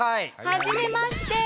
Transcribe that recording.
はじめまして。